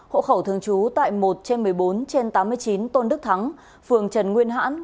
hộ khẩu thường trú tại một trên một mươi bốn trên tám mươi chín tôn đức thắng